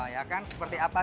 ya kan seperti apa